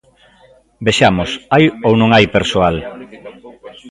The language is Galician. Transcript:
Vexamos, ¿hai ou non hai persoal?